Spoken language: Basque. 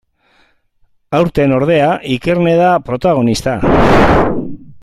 Aurten, ordea, Ikerne da protagonista.